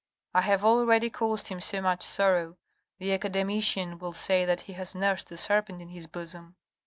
I have already caused him so much sorrow. The academician will say that he has nursed a serpent in his bosom.